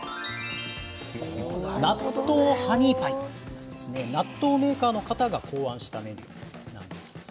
納豆ハニーパイ納豆メーカーの方が考案したメニューなんです。